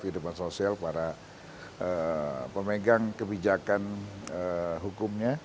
kehidupan sosial para pemegang kebijakan hukumnya